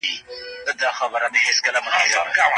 تاسو د خپلو وسایلو د بېټرۍ د سلامتیا لپاره اصلي چارجر وکاروئ.